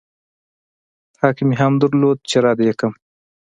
حق مې هم درلود چې رد يې کړم.